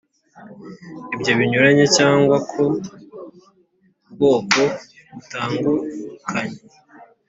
Ibyo Binyuranye cyangwa ku bwoko butangukanye